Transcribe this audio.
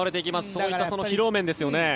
そういった疲労面ですよね。